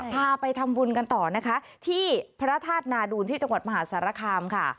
พาไปทำบุญกันต่อนะคะที่พระธาตุนาดูนที่จังหวัดมหาสารคามค่ะ